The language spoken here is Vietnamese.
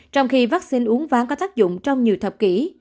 trong khi vaccine uống ván có tác dụng trong nhiều thập kỷ